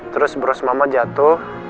terus bros mama jatuh